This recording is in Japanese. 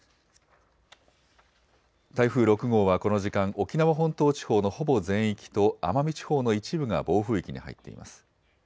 台風６号はこの時間、沖縄本島地方のほぼ全域と奄美地方の一部が暴風域に入っています。